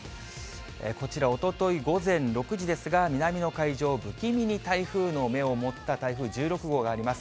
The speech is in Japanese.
こちらおととい午前６時ですが、南の海上、不気味に台風の目を持った台風１６号があります。